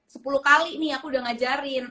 sepuluh kali nih aku udah ngajarin